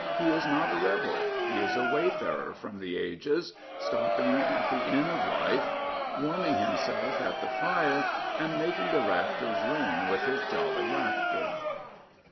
He is not a rebel. He is a wayfarer from the ages, stopping 331 Prophets, Priests, and Kings at the inn of life, warming himself at the fire and making the rafters ring with his jolly laughter.